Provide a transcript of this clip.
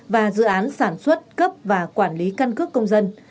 và dự án sản xuất cấp và quản lý căn cước công dân